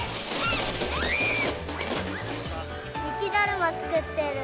雪だるま作ってる。